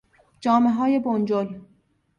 جامههای بنجل